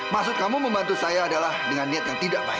maksud kamu membantu saya adalah dengan niat yang tidak baik